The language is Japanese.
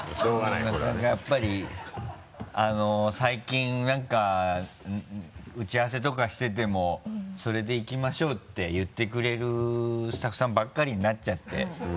なかなかやっぱり最近なんか打ち合わせとかしてても「それでいきましょう」って言ってくれるスタッフさんばっかりになっちゃって。